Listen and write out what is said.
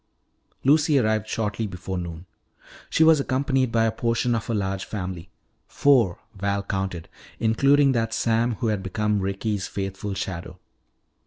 Lucy arrived shortly before noon. She was accompanied by a portion of her large family four, Val counted, including that Sam who had become Ricky's faithful shadow.